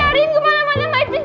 aku pengen mati